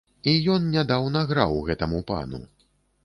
І ён нядаўна граў гэтаму пану.